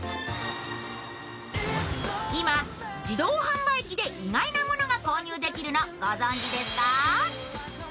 今、自動販売機で意外なものが購入できるのご存じですか？